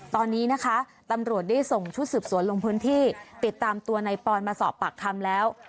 ตอนนี้นะคะตำรวจได้ส่งชุดสืบสวนลงพื้นที่ติดตามตัวในปอนมาสอบปากคำแล้ว